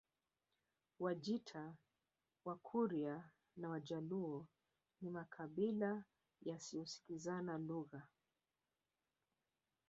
Wajita Wakurya na Wajaluo ni makabila yasiyosikilizana lugha